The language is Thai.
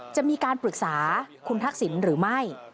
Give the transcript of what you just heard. จะมีการปรึกษาคุณทักษิณหรือไม่